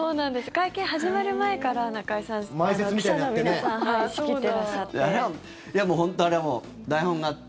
会見始まる前から中居さん記者の皆さんを仕切っていらっしゃって。